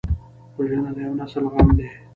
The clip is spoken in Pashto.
وژنه د یو نسل غم دی